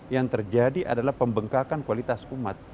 yang terjadi adalah pembengkakan kualitas umat